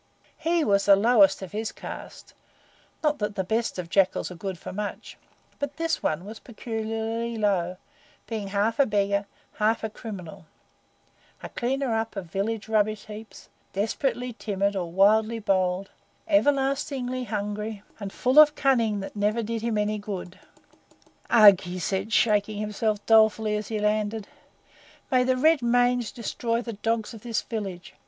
He was the lowest of his caste not that the best of jackals are good for much, but this one was peculiarly low, being half a beggar, half a criminal a cleaner up of village rubbish heaps, desperately timid or wildly bold, everlastingly hungry, and full of cunning that never did him any good. "Ugh!" he said, shaking himself dolefully as he landed. "May the red mange destroy the dogs of this village!